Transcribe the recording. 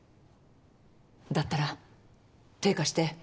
だったら手貸して。